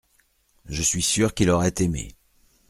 Je suis sûr qu’il aurait aimé.